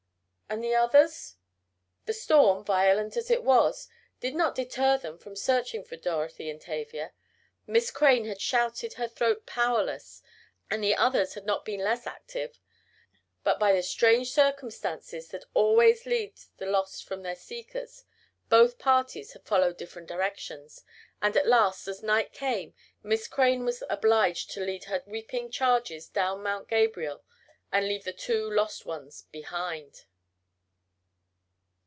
And the others? The storm, violent as it was, did not deter them from searching for Dorothy and Tavia. Miss Crane had shouted her throat powerless, and the others had not been less active. But by the strange circumstances that always lead the lost from their seekers, both parties had followed different directions, and at last, as night came on, Miss Crane was obliged to lead her weeping charges down Mount Gabriel and leave the two lost ones behind.